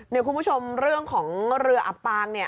คุณผู้ชมเรื่องของเรืออับปางเนี่ย